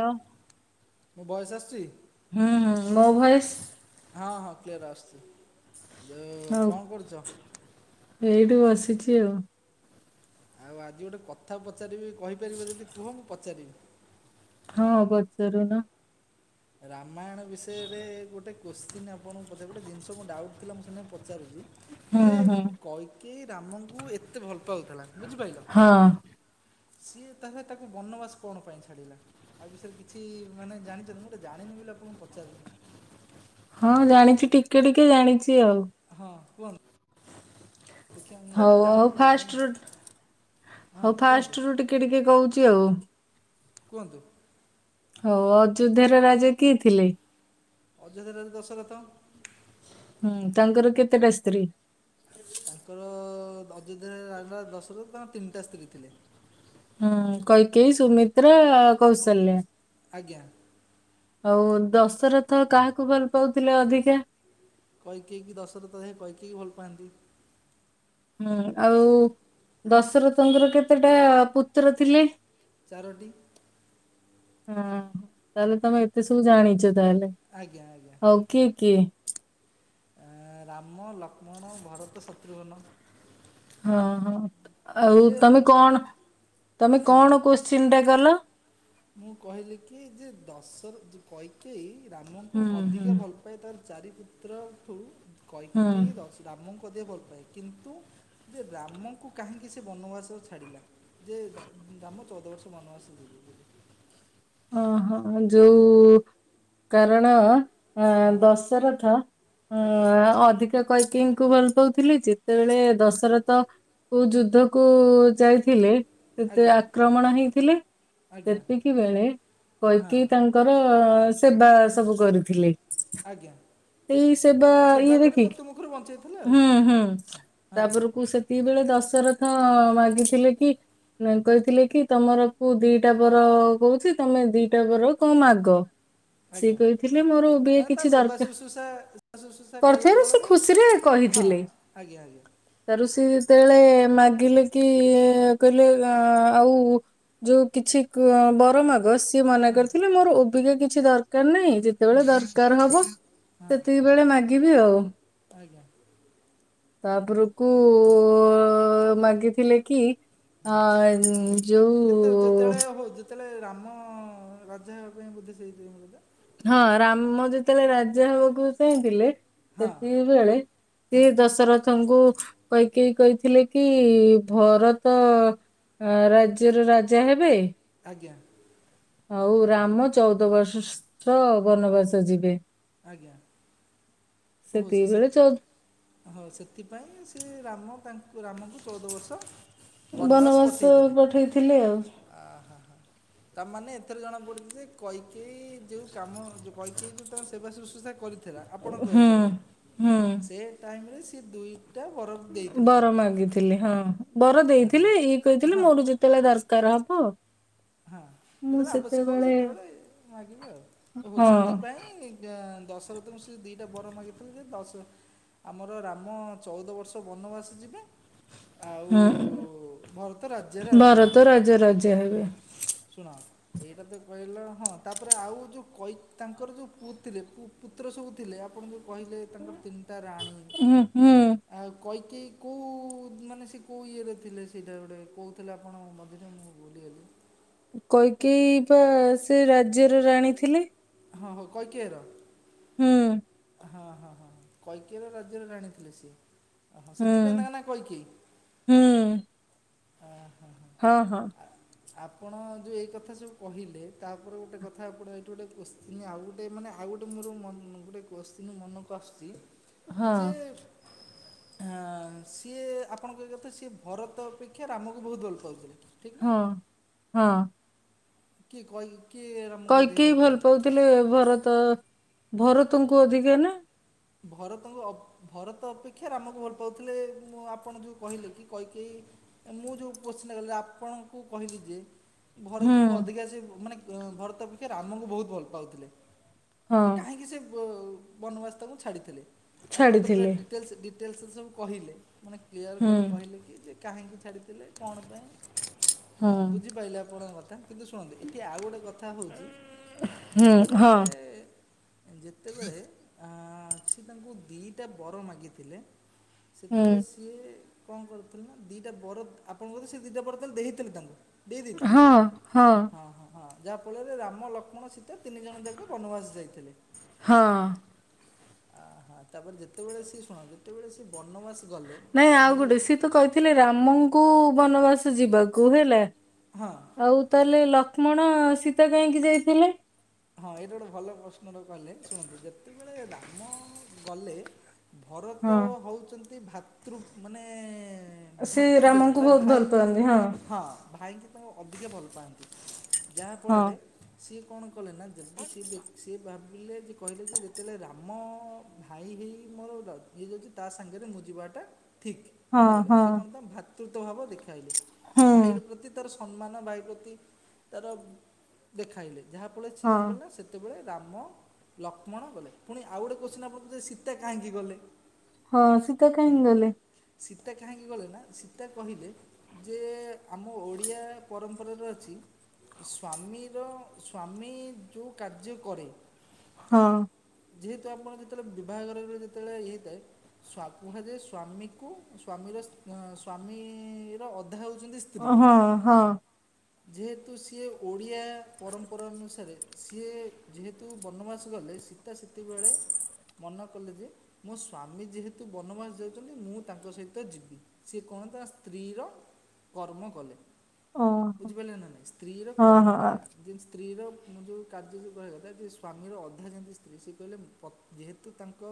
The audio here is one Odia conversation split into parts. ହ୍ୟାଲୋ। ମୋ ଭଏସ ଆସୁଚି? ହୁଁ ହୁଁ। ମୋ ଭଏସ? ହଁ ହଁ କ୍ଲିୟର ଆସୁଚି। ଯୋଉ ହଉ କଣ କରୁଚ। ଏଇଠି ବସିଚି ଆଉ। ଆଉ ଆଜି ଗୋଟେ କଥା ପଚାରିବି କହିପାରିବ ଯଦି କୁହ ମୁଁ ପଚାରିବି। ହଁ ପଚାରୁନ। ରାମାୟଣ ବିଷୟରେ ଗୋଟେ କୋଶ୍ଚିନ୍ ଆପଣଙ୍କୁ ପଚାରିବି। ଗୋଟେ ଜିନିଷ ମୋର ଡାଉଟ୍ ଥିଲା ମୁଁ ସେନାଇଁ ପଚାରୁଚି। ହୁଁ ଯେ ହୁଁ କୈକେଇ ରାମଙ୍କୁ ଏତେ ଭଲ ପାଉଥିଲା ବୁଝିପାଇଲ। ହଁ ସିଏ ତାହେଲେ ତାକୁ ବନବାସ କଣ ପାଇଁ ଛାଡିଲା? ତା ବିଷୟରେ କିଛି ମାନେ ଜାଣିଚନ୍ତି ମୁଁ ଜାଣିନି ବୋଲି ଆପଣଙ୍କୁ ପଚାରିଲି? ହଁ ଜାଣିଛି ଟିକେ ଟିକେ ଜାଣିଛି ଆଉ। ହଁ କୁହନ୍ତୁ? ଦେଖିବା ମୁଁ ମୁଁ ହଉ ଜାଣେ ହଉ ମୁଁ ଜାଣିନି ଫାଷ୍ଟ ରୁ ହଁ ହଉ କୁହନ୍ତୁ ଫାଷ୍ଟରୁୁ ଟିକେ ଟିକେ କହୁଛି ଆଉ। କୁହନ୍ତୁ? ହଉ ଅଯୋଧ୍ୟାର ରାଜା କିଏ ଥିଲେ? ଅଯୋଧ୍ୟାର ରାଜା ଦଶରଥ। ହୁଁ ତାଙ୍କର କେତେଟା ସ୍ତ୍ରୀ। ତାଙ୍କର ଅଯୋଧ୍ୟାରେ ରାଜା ଦଶରଥ ତାଙ୍କର ତିନିଟା ସ୍ତ୍ରୀ ଥିଲେ। ହୁଁ କୈକେଇ ସୁମିତ୍ରା କୌଶଲ୍ୟା। ଆଜ୍ଞା। ହଉ ଦଶରଥ କାହାକୁ ଭଲ ପାଉଥିଲେ ଅଧିକା? କୈକେୟୀ କି ଦଶରଥ ଯାଇଁ କୈକେୟୀ କି ଭଲ ପାଆନ୍ତି। ହୁଁ ଆଉ ଦଶରଥଙ୍କର କେତେଟା ପୁତ୍ର ଥିଲେ? ଚାରୋଟି। ହଁ ତାହେଲେ ତମେ ଏତେ ସବୁ ଜାଣିଛ ତାହେଲେ? ଆଜ୍ଞା ଆଜ୍ଞା। କୈକେଇ କିଏ? ଆ ରାମ ଲକ୍ଷ୍ମଣ ଭରତ ଶତ୍ରୁଘ୍ନ। ହଁ ହଁ ଆଉ ଯେ ତମେ କଣ ତମେ ଆଜ୍ଞା କଣ କୋଶ୍ଚିନ୍ ଟା କଲ? ମୁଁ କହିଲି କି ଯେ ଦଶର କୈକେୟୀ ହୁଁ ରାମଙ୍କୁ ହୁଁ ଅଧିକା ଭଲ ତାର ଚାରିପୁତ୍ରଠୁ ହୁଁ କୈକେୟୀ ଦଶ ରାମଙ୍କୁ ଅଧିକା ଭଲ ପାଏ କିନ୍ତୁ ଯେ ରାମଙ୍କୁ କାହିଁକି ସେ ବନବାସ ଛାଡ଼ିଲା। ଯେ ଦା ଦାମ ଚଉଦ ବର୍ଷ ବନବାସ ଯିବେବୋଲି। ହଁ ହଁ ଯୋଉ କାରଣ ଅ ହଁ ଦଶରଥ ଉଁ ଆଜ୍ଞା ଆ ଅଧିକ ଅଧିକା କୈକେୟୀଙ୍କୁ ଭଲ ପାଉଥିଲି ଯେତେବେଳେ ଦଶରଥ କୋଉ ଯୁଦ୍ଧକୁ ଯାଇଥିଲେ ସେତେ ଆଜ୍ଞା ଆକ୍ରମଣ ହେଇଥିଲେ ଆଜ୍ଞା ସେତିକି ବେଳେ ହଁ କୈକେୟୀ ତାଙ୍କର ସେବା ସବୁ କରିଥିଲେ। ଆଜ୍ଞା। ସେଇ ସେବା ଇଏ କରି ଦେଖିକି ମୃତ୍ୟୁ ମୁଖରୁ ବଞ୍ଚେଇଥିଲେ ଆଉ ହୁଁ ହୁଁ ହଁ ତାପରକୁ ସେ ସେତିକିବେଳେ ଦଶରଥ ମାଗିଥିଲେ କି କହିଥିଲେ କି ତମର କୋଉ ଦିଟା ବର କହୁଛି ତମେ ଦିଟା ବର କଣ ମାଗ। ଆଜ୍ଞା ସିଏ କହିଥିଲେ ମୋର ମାନେ ଅବିକା ତା କିଛି ଦରକା [inaudible] କରିଥିବାରୁ ସେ ଫଳରେ ଖୁସିରେ ହଁ କହିଥିଲେ। ଆଜ୍ଞା ଆଜ୍ଞା ତାରୁ ସିଏ ଯେତେବେଳେ ମାଗିଲେ କି କହିଲେ ଆଉ ଯୋଉ କିଛି କୁ ବର ମାଗ ସେ ସିଏ ମନା କରିଥିଲେ ମୋର ଓବିକା କିଛି ଦରକାର ନାହିଁ ହୁଁ ଯେତେବେଳେ ଦରକାର ହବ ହଁ ସେତିକିବେଳେ ମାଗିବି ଆଉ। ଆଜ୍ଞା। ତାପରକୁ ଅ- ଅ ମାଗିଥିଲେ କି ଆଁ ଯଉ ସେତେଳେ ରାମ ରାଜା ହେବା ପାଇଁ ବୋଧେ ସେଇଥିପାଇଁ ବୋଧେ ହଁ ରାମ ଯେତେବେଳେ ରାଜା ହବାକୁ ଚାହିଁଥିଲେ ହଁ ସେତିକିବେଳେ ଏ ହଁ ଦଶରଥଙ୍କୁ କୈକେଇ କହିଥିଲେ କି ଭରତ ଅ ରାଜ୍ୟର ରାଜା ହେବେ ଆଜ୍ଞା। ଆଉ ରାମ ଚଉଦ ବର୍ଷ ସ୍ତ ବନବାସ ଯିବେ। ଆଜ୍ଞା। ଓହୋ ସେ ସେତିକି ସି ବେଳେ ଚଉ ହଁ ସେଥିପାଇଁ ସେ ରାମ ତାଙ୍କୁ ରାମଙ୍କୁ ଚଉଦ ବର୍ଷ ବନବାସ ପଠେଇଥିଲେ ଆଉ। ଆ-ହା -ହା। ତାମାନେ ଏଥର ଜଣା ପଡୁଛି ଯେ କୈକେୟୀ ଯୋଉ କାମ କୈକେଇ ଯୋଉ ତାଙ୍କ ସେବା ଶୁଶ୍ରୂଷା କରି ଥିଲା ଆପଣଙ୍କ ହୁଁ ହିସାବରେ, ହୁଁ ସେ ଟାଇମ୍ ରେ ସେ ଦୁଇ ଟା ବର ଦେଇଥିଲେ ବର ତାଙ୍କୁ ମାଗିଥିଲେ, ହଁ ବର ଆହା ଦେଇଥିଲେ ଇଏ କହିଥିଲେ ହଁ ମୋର ଯେ ତେଳେ ଦରକାର ହବ ହଁ ଯେତେବେଳେ ଆବଶ୍ୟକ ହବ ସେତେବେଳେ ମାଗିବେ ଆଉ, ଓହୋ ହଁ ସେଥିପାଇଁ ଦଶରଥ ଙ୍କୁ ସେ ଦିଟା ବର ମାଗିଥିଲେ ଯେ ଦଶ ଆମର ରାମ ଚଉଦ ବର୍ଷ ବନବାସ ଯିବେ ଆଉ ହୁଁ ଭରତ ରାଜ୍ୟ ର ରାଜା ହେବେ। ଜା ରଜା ହେବେ। ଶୁଣ ଏଇଟା ତ କହିଲ ହଁ ତାପରେ ଆଉ ଯୋଉ କୈ ତାଙ୍କର ଯୋଉ ପୁଅ ଥିଲେ ପୁ ପୁତ୍ର ସବୁ ଥିଲେ ଆପଣଙ୍କୁ କହିଲେ ତାଙ୍କର ତିନିଟା ରାଣୀ ହୁଁ ହୁଁ ଆଉ କୈକେୟୀ କୋଉ ମାନେ ସେ କୋଉ ଇଏରେ ଥିଲେ ସେଇଟା ଗୋଟେ କହୁଥିଲେ ଆପଣ ମଝିରେ ମୁଁ ଭୁଲିଗଲି କୈକେୟୀ ପା ସେ ରାଜ୍ୟର ରାଣୀ ଥିଲେ। ହଁ ହଉ କୈକେୟୀ ର? ହୁଁ। ହଁ- ହଁ -ହଁଁ କୈକେୟୀ ର ରାଜ୍ୟର ରାଣୀ ଥିଲେ ସିଏ, ହଁ ହୁଁ ସେଥିପାଇଁ ତାଙ୍କ ନା କୈକେୟୀ ହୁଁ ଆ-ହା-ହା ହଁ ହଁ। ଆ ଆପଣ ଯୋଉ ଏଇ କଥା ସବୁ କହିଲେ ତାପରେ ଗୋଟେ କଥା ଆପଣ ଏଇଠି ଗୋଟେ କୋଶ୍ଚିିନ ଆଉ ଗୋଟେ ମାନେ ଆଉ ଗୋଟେ ମୋର ମନେ ଗୋଟେ କୋଶ୍ଚିନ ମନକୁ ଆସୁଛି ହଁ ଯେ ହଁ ସିଏ ଆପଣ କହିବା କଥା ସିଏ ଭରତ ଅପେକ୍ଷା ରାମକୁ ବହୁତ ଭଲ ପାଉଥିଲେ। ଠିକ୍ ନା ହଁ ହଁ। କିଏ କହି କିଏ ର କୈକେୟୀ ଭଲ ପାଉଥିଲେ ଭରତ ଭରତଙ୍କୁ ଅଧିକା ନା। ଭରତଙ୍କୁ ଅ ଭରତ ଅପେକ୍ଷା ରାମକୁ ଭଲ ପାଉଥିଲେ ମୁଁ ଆପଣ ଯୋଉ କହିଲେ କି କୈକେୟୀ ମୁଁ ଯୋଉ କୋଶ୍ଚିନ୍ ଟା କଲି ଆପଣଙ୍କୁ କହିଲି ଯେ ହୁଁ ଭରତକୁ ଅଧିକା ସେ ମାନେ ଭରତ ଅପେକ୍ଷା ରାମଙ୍କୁ ବହୁତ ଭଲ ପାଉଥିଲେ। ହଁ ଯେ କାହିଁକି ସେ ବ ବନବାସ ତାଙ୍କୁ ଛାଡ଼ିଥିଲେ ଆପଣ ତା ପୁରା ଛାଡ଼ିଥିଲେ ଡିଟେ ଟେଲ୍ସ ଡିଟେଲ୍ସ ସବୁ କହିଲେ ମାନେ କ୍ଲିୟର ହୁଁ କରି କହିଲେ କି ଯେ କାହିଁକି ଛାଡ଼ିଥିଲେ କଣ ପାଇଁ, ହୁଁ ହଁ ବୁଝିପାଇଲେ ଆପଣଙ୍କ କଥା? କିନ୍ତୁ ଶୁଣନ୍ତୁ ଏଠି ଆଉ ଗୋଟେ କଥା ହଉଛି ହୁଁ ଯେତେବେଳେ ହଁ ଯେତେବେଳେ ଆଁ ସିଏ ତାଙ୍କୁ ଦିଟା ବର ମାଗିଥିଲେ ହୁଁ ସେତେବେଳେ ସିଏ କଣ କରୁଥିଲେ ନା ଦିଟା ବର ଆପଣଙ୍କ ସେ ଦିଟା ବର ତାହେଲେ ଦେଇଥିଲେ ତାଙ୍କୁ। ଦେଇ ଦେଇଥିଲେ ହଁ। ହଁ ଯାହାଫଳରେ ରାମ ଲକ୍ଷ୍ମଣ ସୀତ ତିନି ଜଣ ଯାକ ବନବାସ ଯାଇଥିଲେ। ହଁ ଆ ହଁ ତାପରେ ଯେତେବେଳେ ସିଏ ଶୁଣ ଯେତେବେଳେ ସେଏ ବନବାସ ଗଲେ ବୁଝିପାରିଲ ଥିଲେ ରାମଙ୍କୁ ବନବାସ ଯିବାକୁ ହେଲା। ହଁ ଆଉ ତାହେଲେ ଲକ୍ଷ୍ମଣ ସୀତ କାହିଁକି ଯାଇଥିଲେ? ହଁ ଏଇଟା ଗୋଟେ ଭଲ ପ୍ରଶ୍ନଟେ କଲେ। ଶୁଣନ୍ତୁ ଯେତେବେଳେ ରାମ ଗଲେ ଭରତ ହଁ। ହହୋଉଛନ୍ତି ଭାତୃ ମାନେ ସେ ଭାତୃପ୍ରେମୀ ରାମଙ୍କୁ ମାନେ ବହୁତ ଭାଇ ଭଲ ପାଆନ୍ତି ହଁ ଭାଇଙ୍କ ଙ୍କୁ ଅଧିକା ଭଲ ପାଆନ୍ତି। ହଁ। ଯାହାଫଳରେ ସିଏ କଣ କଲେ ନା ଯଦି ସିଏ ଦେ ସିଏ ଭାବିଲେ ଯେ କହିଲେ ଯେ ଯେତେବେଳେ ରାମ ଭାଇ ହେଇ ମୋର ଇଏ ଯଦି ତା ସାଙ୍ଗରେ ମୁଁ ଯିବାଟା ଠିକ୍। ମନେ ହଁ କଲେ ହଁ ସେ କଣ ତ ଭ୍ରାତୃତ ଭାବ ଦେଖାଇଲେ ହୁଁ। ଭାଇଙ୍କ ପ୍ରତି ତାର ସ ସମ୍ମାନ ଭାଇ ପ୍ରତି ତାର ଦେଖାଇଲେ ଯାହାଫଳରେ ସିଏ କଣ ହଁ। କଲେ ନା ସେ ସେତେବେଳେ ରାମ ଲକ୍ଷ୍ମଣ ଗଲେ। ପୁଣି ଆଉ ଗୋଟେ କୋଶ୍ଚିନ ଆପଣଙ୍କର ଯେ ସୀତା କାହିଁକି ଗଲେ? ହଁ ସୀତା କାହିଁକି ଗଲେ? ସୀତା କାହିଁକି ଗଲେ ନା ସୀତା କହିଲେ ଯେ ଆମ ଓଡ଼ିଆ ପରମ୍ପରାରେ ଅଛି ସ୍ୱାମୀର ସ୍ଵାମୀ ଯୋଉ କାର୍ଯ୍ୟ କରେ। ହଁ ଯେହେତୁ ଆପଣ ଯେତେବେଳେ ବିବାହ ଘର ଯେତେବେଳେ ହେଇଥାଏ। ସ୍ବା କୁହାଯାଏ ସ୍ଵାମୀକୁ ସ୍ଵାମୀ ର ସ ସ୍ଵାମୀର ଅଧା ହେଉଛନ୍ତି ସ୍ତ୍ର ଓ ହଁ ହଁ ଯେହେତୁ ସିଏ ଓଡ଼ିଆ ପରମ୍ପରା ଅନୁସାରେ ସିଏ ଯେହେତୁ ବନବାସ ଗଲେ। ସୀତା ସେତେବେଳେ ମନେ କଲେ ଯେ ମୋ ସ୍ଵାମୀ ଯେହେତୁ ବନବାସ ଯାଉଛନ୍ତି ମୁଁ ତାଙ୍କ ସହିତ ଯିବି। ସିଏ କଣ ତା ସ୍ତ୍ରୀର କର୍ମ କଲେ। ଓହୋ। ବୁଝିପାରିଲେ ନା ନାଇଁ? ସ୍ତ୍ରୀ ର ହଁ କର୍ମ ହଁ ହଁ, କଲେ। ଯେ ସ୍ତ୍ରୀର ମୁଁ ଯେଉଁ କାର୍ଯ୍ୟ କୁ କୁହାଗଲା ଯେ ସ୍ୱାମୀର ଅଧା ଯେମିତି ସ୍ତ୍ରୀ ସିଏ କହିଲେ ପ ଯେହେତୁ ତାଙ୍କ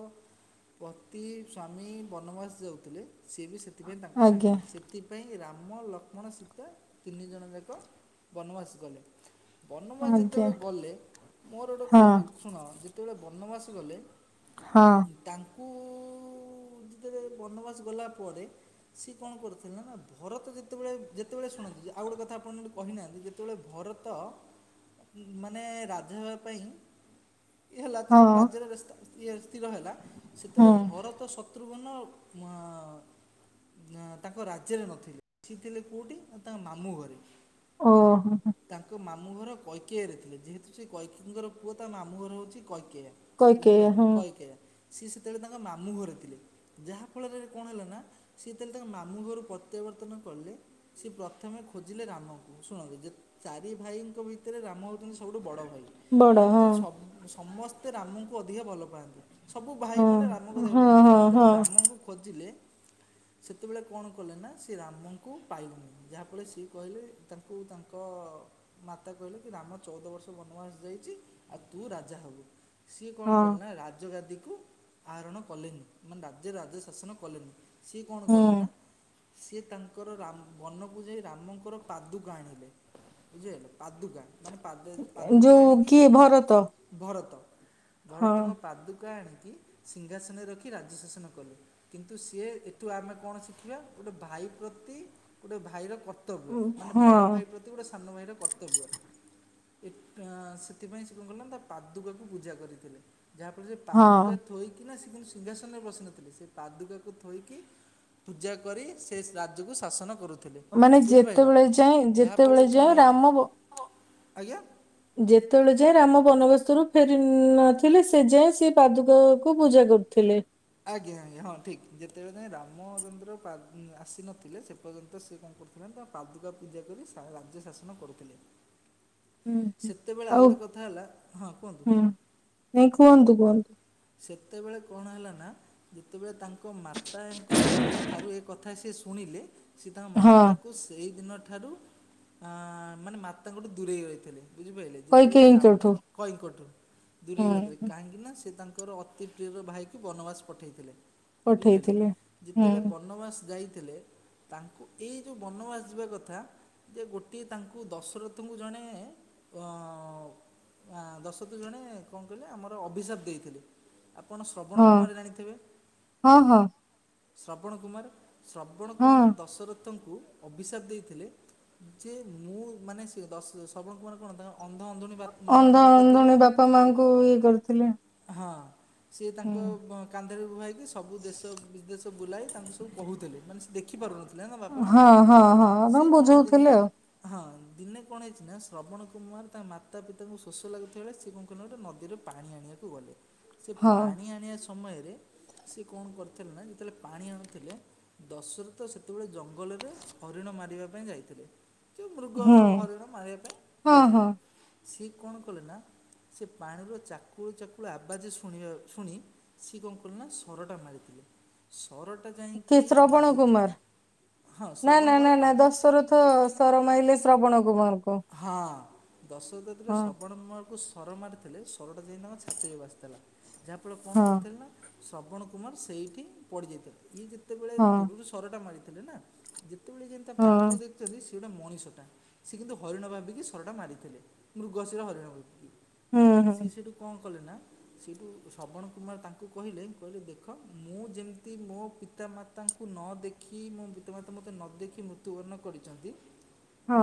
ପତି ସ୍ୱାମୀ ବନବାସ ଯାଉଥିଲେ ସିଏ ବି ସେ ଥିପାଇଁ ତାଙ୍କୁ ଆଜ୍ଞା ସାଙ୍ଗରେ ସେ ସେଥିପାଇଁ ରାମ ଲକ୍ଷ୍ମଣ ସୀତା ତିନି ଜଣ ଯାଙ୍କ ବନବାସ ଗଲେ। ବନବାସ ଆଜ୍ଞା ଯେତେବେଳେ ଗଲେ ମୋର ଗୋଟ ହଁ କୋ ଶୁଣ ଯେତେବେଳେ ବନବାସ ଗଲେ ହଁ ତାଙ୍କୁ ଯେତେବେଳେ ବନବାସ ଗଲା ପରେ ସିଏ କଣ କରୁଥିଲେ ନା ଭରତ ଯେତେବେଳେ ଯେତେବେଳେ ଶୁଣନ୍ତୁ ଯେ ଆଉ ଗୋଟେ କଥା ଆପଣ ଯୋେ କହିନାହାନ୍ତି ଯେ ତବେଳେ ଭରତ ମାନେ ରାଜା ହେବା ପାଇଁ ଇଏ ହେଲା ତାଙ୍କ ହଁ ରାଜ୍ୟରେ ବ୍ୟସ୍ତା ଇଏ ସ୍ଥିର ହେଲା ହୁଁ ସେତେବେଳେ ଭରତ ଶତ୍ରୁଘନ ଆଁ ଆଁ ତାଙ୍କ ରାଜ୍ୟରେ ନଥିଲେ। ସି ଥିଲେ କୋଉଠି ନା ତାଙ୍କ ମାମୁଁ ଘରେ। ଓ ହୋ ତାଙ୍କ ମାମଁ ଘର କୈକିୟରେ ଥିଲେ ଯେହେତୁ ସେ କୈକିଙ୍କର ପୁଅ ତାଙ୍କ ମାମୁଁ ଘର ହେଉଛି କୈକେୟା। କୈକେୟୀ ବୁଝିପାରିଲେ ହଁ କୈକିୟ ସିଏ ସେତେବେଳେ ତାଙ୍କ ମାମୁଁ ଘରେ ଥିଲେ। ଯାହାଫଳରେ କଣ ହେଲା ନା ସିଏ ତାହେଲେ ତାଙ୍କ ମାମୁଁ ଘରୁ ପ୍ରତ୍ୟାବର୍ତ୍ତନ କଲେ ସିଏ ପ୍ରଥମେ ଖୋଜିଲେ ରାମକୁ ଶୁଣନ୍ତୁ ଯେ ଚାରି ଭାଇଙ୍କ ଭିତରେ ତରେ ରାମ ହେଉଛନ୍ତି ସବୁଠୁ ବଡ଼ ଭାଇ ବଡ କିନ୍ତୁ ହଁ। ସମ ସମସ୍ତ ତେ ରାମଙ୍କୁ ଅଧିକ ଭଲ ପାଆନ୍ତି। ସବୁ ହଁ ଭାଇମାନେ ରାମକୁ ଦେହ ହଁ ପ୍ରତି ସେ ହଁ ଯେତେବେଳେ ହଁ ରାମଙ୍କୁ ଖୋଜିଲେ ସେତେବେଳେ କଣ କଲେ ନା ସେ ରାମଙ୍କୁ ପାଇଲେନି ଯାହାଫଳରେ ସିଏ କହିଲେ ତାଙ୍କୁ ତାଙ୍କ ମାତା କହିଲେ କି ରାମ ଚଉଦ ବର୍ଷ ବନବାସ ଯାଇଛି ଆଉ ତୁ ରାଜା ହବୁ। ସିଏ କଣ ହଁ କଲେ ନା ରାଜଗାଦିକୁ ଆହରଣ କଲେନି, ମାନେ ରାଜ୍ୟରେ ରାଜ ଶାସନ କଲେନି। ସିଏ କଣ କଲେ ହୁଁ ନା ସିଏ ତାଙ୍କର ରା ବନକୁ ଯାଇ ରାମଙ୍କର ପାଦୁକ ଆଣିଲେ ବୁଝିିହେଲା। ପାଦୁକା ମାନେ ପା ପାଦୁକା ଯୋଉ ଆଣିକି କିଏ ଭରତ ଭରତ। ହଁ ଭରତଙ୍କ ପାଦୁକା ଆଣିକି ସିଂହାସନରେ ରଖି ରାଜ୍ୟ ଶାସନ କଲେ। କିନ୍ତୁ ସିଏ ଏଠୁ ଆମେ କଣ ଶିଖିବା ଗୋଟେ ଭାଇ ପ୍ରତି ଗୋଟେ ଭାଇର କ କର୍ତ୍ତବ୍ୟ ଉଁ, ମାନେ ହଁ ବଡ଼ ଭାଇ ପ୍ରତି ଗୋଟେ ସାନ ଭାଇର କର୍ତ କର୍ତ୍ତବ୍ୟ ଆଁ ସେଥିପାଇଁ ସେ କଣ କଲେନା ତା ପାଦୁକାକୁ ପୂଜା କରିଥିଲେ। ଯାହାଫଳରେ ସେ ପାଦୁକା ହଁ ଥୋଇକିନା ସେ କିନ୍ତୁ ସିଂହାସନରେ ବସି ନଥିଲେ ସେ ପାଦୁକାକୁ ଥୋଇକି ପୂଜା କରି ସେ ରାଜ୍ୟକୁ ଶାସନ କରୁଥିଲେ। ମାନେ ବୁଝିପାରିଲ ଯେତେବେଳେ ଯାଏଁ ଯାହାଫଳରେ ଯେତେବେଳେ କ'ଣ ଯାଏଁ ରାମ ଆଜ୍ଞା? ଯେତେବେଳେ ଯାଏ ରାମ ବନବାସରୁ ଫେରି ନଥିଲେ ସେ ଯାଏଁ ସେ ପାଦୁକକୁ ପୂଜା କରୁଥିଲେ। ଆଜ୍ଞା ଆଜ୍ଞା ହଁ ଠିକ ଯେତେବେଳେ ଯାଏ ରାମଚନ୍ଦ୍ର ପା ଆସିନଥିଲେ ସେ ପର୍ଯ୍ୟନ୍ତ ସେ କଣ କରୁ ତାଙ୍କ ପାଦୁକା ପୂଜା କରି ରାଜ୍ୟ ଶାସନ କରୁଥିଲେ। ହୁଁ ହୁଁ। ସେତେବେଳେ ଆଉ ଗୋଟେ କଥା ହେଲା, ହଁ କୁହନ୍ତୁ? ହୁଁ ନାଇଁ କୁହନ୍ତୁ କୁହନ୍ତୁ? ସେତେବେଳେ କଣ ହେଲା ନା ଯେତେବେଳେ ତାଙ୍କ ତାଙ୍କ ମାତାଙ୍କ ଠାରୁ ଏ କଥା ସେ ଶୁଣିଲେ ସେ ତାଙ୍କ ହଁ ମାତା ତ ସେଇ ଦିନ ଠାରୁ ଆଁ ମାନେ ମାତାଙ୍କଠୁ ଦୂରେଇ ରହିଥିଲେ। ବୁଝିପାରିଲେ ଯେତେବେଳେ ରାମ କୈକେୟୀଙ୍କଠୁ କଇଙ୍କଠୁ ଦୂରେଇକି ରହିଥିଲେ ହୁଁ କାହିଁକି ନା ସେ ତାଙ୍କ ଙ୍କର ଅତି ପ୍ରିୟର ଭାଇକୁ ବନବାସ ପଠାଇଥିଲେ। ବୁଝିହେଲା ପଠେଇଥିଲେ ହୁଁ ଯେତେବେଳେ ବନବାସ ଯାଇଥିଲେ ତାଙ୍କୁ ଏଇ ଯୋଉ ବନବାସ ଯିବା କଥା ଯେ ଗୋଟିଏ ତାଙ୍କୁ ଦଶରଥଙ୍କୁ ଜଣେ ଅ ଆ ଦଶରଥଙ୍କୁ ଜଣେ କଣ କହିଲେ ଆମର ଅଭିଶାପ ଦେଇଥିଲେ। ଆପଣ ଶ୍ରବଣ ହଁ କୁମାର ଜାଣିଥିବେ? ହଁ ହଁ ଶ୍ରବଣ କୁମାର ଶ୍ରବଣ କୁମାର ହଁ ଦଶରଥଙ୍କୁ ଅଭିଶାପ ଦେଇଥିଲେ ଯେ ମୁଁ ମାନେ ସେ ଦଶ ଶ୍ରବଣ କୁମାର କଣ ତାଙ୍କ ଅନ୍ଧ ଅନ୍ଧୁଣୀ ବା ଅନ୍ଧ ଅନ୍ଧୁଣୀ ବାପା ମାଙ୍କୁ ଇଏ କରିଥିଲେ। ହଁ। ସିଏ ତାଙ୍କ ହୁଁ କାନ୍ଧରେ ବୁହାଇକି ସବୁ ଦେଶ ବିଦେଶ ବୁଲାଇ ତାଙ୍କୁ ସବୁ କହୁଥିଲେ। ମାନେ ସେ ଦେ ଦେଖିପାରୁନଥିଲେ ନା ବାପା ମା ହଁ, ହଁ, ହଁ ସିଏ ତାଙ୍କୁ କଣ ଦିନ ବୁଝଉଥିଲେ ଆଉ। ହଁ ଦିନେ କଣ ହେଇଛି ନା ଶ୍ରବଣ କୁମାର ତାଙ୍କ ମାତା ପିତାଙ୍କୁ ଶୋଷ ଲାଗୁଥିବା ବେଳେ ସିଏ କଣ କଲେ ଗୋଟେ ନଦୀରେ ପାଣି ଆଣିବାକୁ ଗଲେ, ସେ ହଁ, ପାଣି ଆଣିବା ସମୟରେ ସେ କଣ କରିଥିଲେ ନା ଯେତେବେଳେ ପାଣି ଆଣୁଥିଲେ ଦଶରଥ ସେତେବେଳେ ଜଙ୍ଗଲରେ ହରିଣ ମାରିବା ପାଇଁ ଯାଇଥିଲେ। କି ମୃଗ ହୁଁ, ହରିଣ ମାରିବା ପାଇଁ ହଁ, ହଁ ଯାଇଥିଲେ। ସିଏ କଣ କଲେ ନା ସେ ପାଣିର ଚାକୁଳୁ ଚାକୁଳୁ ଆବାଜ ସ ଶୁଣିବା ଶୁଣି ସିଏ କଣ କଲେ ନା ସରଟା ଭାରିଥିଲେ। ସର ଟା କି ଯାଇଁକି ଶ୍ରବଣ ବାଜିଥି କୁମାର। ନା ନା ନା ନା ଦଶରଥ ସର ମାଇଲେ ଶ୍ରବଣ କୁମାରଙ୍କୁ। ହଁ ଦଶରଥ ଯେତବେଳେ ଶ୍ରବଣ କୁମାର କୁ ସର ମାରିଥିଲେ, ସର ଟା ଯାଇ ତାଙ୍କ ଛାତିରେ ବାଜିଥିଲା। ଯାହା ଫଳରେ କଣ ହଁ, କରିଥିଲେ ନା ଶ୍ରବଣ କୁମାର ସେଇଠି ପଡ଼ିଯାଇଥିଲା। ଇଏ ଯେତେବେଳେ ହଁ, ଦୂରରୁ ସର ଟା ମାରିଥିଲେ ନା ଯେତେବେଳେ ଯାଇଁ ତା ହଁ, ପାଖକୁ ଦେଖିଚନ୍ତି ସେଟା ମଣିଷଟା। ସେ କିନ୍ତୁ ହରିଣ ଭାବିକି ସରଟା ମାରିଥିଲେ। ମୃଗଶିର ହରିଣ ଭାବିକି ହୁଁ, ହୁଁ, ସିଏ ସେଠୁ କଣ କଲେ ନା ସେଇଠୁ ଶ୍ରବଣ କୁମାର ତାଙ୍କୁ କହିଲେ କହିଲେ ଦେଖ ମୁଁ ଯେମିତି ମୋ ପିତାମାତ ତାଙ୍କୁ ନଅଦେଖି ମୋ ପିତାମାତା ମୋତେ ନ ଦେଖି ମୃତ୍ୟୁ ବରଣ କରିଚନ୍ତି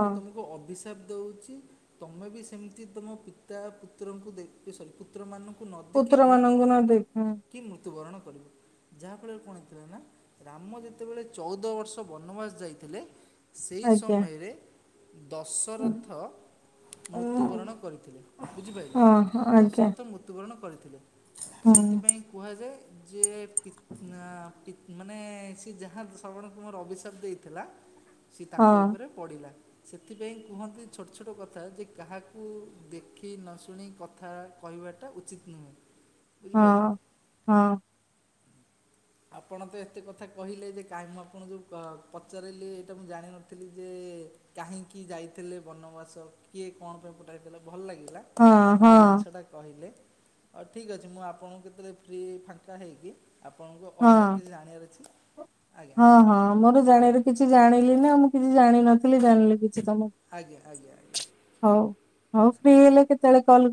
ମୁ ତୁମକୁ ମୁଁ ଅଭିଶାପ ଦଉଚି ତମେ ବି ସେମିତି ତମ ପିତା ପୁତ୍ରଙ୍କୁ ଦେଖ ସରି ପୁତ୍ର ମାନଙ୍କୁ କୁ ନ ଦେଖିକି ପୁତ୍ରମାନଙ୍କୁ ନ ଦେଖି ହୁଁ, କି ମୃତ୍ୟୁବରଣ କରିବ। ଯାହାଫଳରେ କଣ ହେଇଥିଲା ନା, ରାମ ଯେତେବେଳେ ଚଉଦ ବର୍ଷ ବନବାସ ଯାଇଥିଲେ ସେଇ ଆଜ୍ଞା। ସମୟରେ ଉଁ, ଦଶରଥ ମୃତ୍ୟୁବରଣ କରିଥିଲେ। ବୁଝିପାଇଲ। ଓ ହୋ ଆଜ୍ଞା। ତ୍ୟୁବରଣ କରିଥିଲେ। ହୁଁ, ସେଥିପାଇଁ କୁହାଯାଏ ଯେ ପି ଆ ପିତ୍ ମାନେ ସିଏ ଯାହା ଶ୍ରବଣ କୁମାର ଅଭିଶାପ ଦେଇଥିଲା ସେ ତାଙ୍କ ହଁ, ଉପରେ ପଡ଼ିଲା। ସେଥିପାଇଁ କୁହନ୍ତି ଛୋଟ ଛୋଟ କଥା ଯେ କାହାକୁ ଦେଖି ନ ଶୁଣି କଥା କହିବା ଟା ଉଚିତ ନୁହେ। ବୁଝିପାଇଲେ। ହଁ, ହଁ, ଆପଣ ତ ଏତେ କଥା କହିଲେ ଯେ କାହିଁ ମୁଁ ଆପଣଙ୍କୁ ପ ପଚାରିଲି ଏଇଟା ମୁଁ ଜାଣିନଥିଲି ଯେ କାହିଁକି ଯାଇଥିଲେ ବନବାସ? କିଏ କଣ ପାଇଁ ପଠାଇଥିଲା ଭଲ ଲାଗିଲା। ହଁ, ହଁ, ଆପଣ ଏ ଜିନିଷଟା କହିଲେ ହଉ ଠିକ୍ ଅଛି ମୁଁ ଆପଣଙ୍କୁ କେତେବେଳେ ଫ୍ରି ଫାଙ୍କା ହେଇକି ଆପଣଙ୍କୁ ଅନ୍ୟ ହଁ। କିଛି ଜାଣିବାର ଅଛି ଆଜ୍ଞା ହଁ ହଁ ମୋର ଜାଣିବାରେ ଆଜ୍ଞା କିଛି ଜାଣିଲି ନାଉ ମୁଁ କିଛି ଜାଣିନଥିଲି ଜାଣିଲି କିଛି ତମକୁ। ଆଜ୍ଞା ଆଜ୍ଞା ଆଜ୍ଞା। ହଉ ହଉ ଫ୍ରି ହେଲେ କେତେବେଳେ କଲ୍ କରି ହଁ।